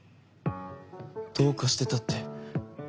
どうかしてたって？